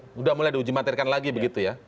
sudah mulai di ujimatirkan lagi begitu ya